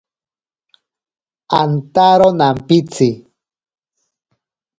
Antaro nampitsi.